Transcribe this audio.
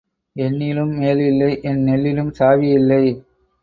என்னிலும் மேல் இல்லை என் நெல்லிலும் சாவி இல்லை.